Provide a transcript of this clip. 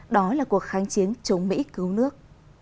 đó là cuộc kháng chiến chống mỹ cứu nước